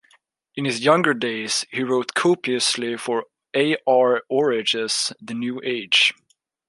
In his younger days, he wrote copiously for A. R. Orage's "The New Age".